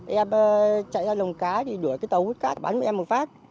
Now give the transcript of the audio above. em chạy ra lồng cá thì đuổi cái tàu hút cát bắn một em một phát